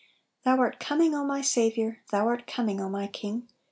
"Thon art coming, O my Saviour ! Thou art coming, O my King